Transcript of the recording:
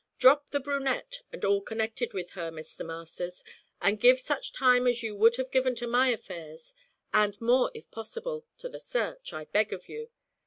Drop the brunette and all connected with her, Mr. Masters, and give such time as you would have given to my affairs, and more if possible, to this search, I beg of you.